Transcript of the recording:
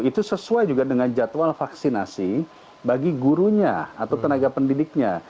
itu sesuai juga dengan jadwal vaksinasi bagi gurunya atau tenaga pendidiknya